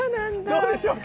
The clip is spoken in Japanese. どうでしょうか？